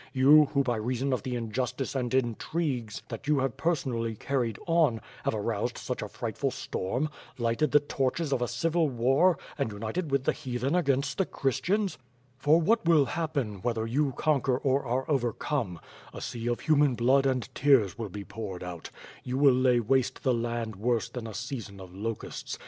You, who by reason of the injustice and intrigues that you have personally carried on, have aroused such a frightful storm; lighted the torches of a civil war and united with the Heathen against the Christians? For what will happen, I WILL NOT GIVE YOU SUCH A PROMLSE. ^f'M Fire and Sword. WITH FIRE AND r.WORD. 147 whether you conquer or are overcome. A sea of human blood and tears will be poured out. You will lay waste the land worse than a season of locusts.